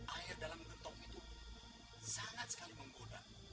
air dalam gentong itu sangat sekali membodan